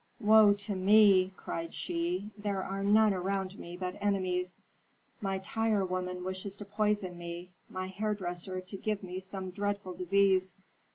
"Woe to me!" cried she. "There are none around me but enemies. My tirewoman wishes to poison me; my hairdresser to give me some dreadful disease.